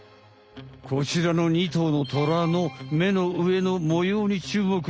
こちらの２とうのトラの目の上の模様にちゅうもく。